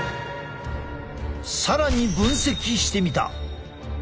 更に分析してみた。